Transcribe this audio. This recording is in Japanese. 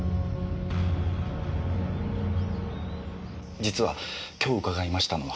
実は今日伺いましたのは。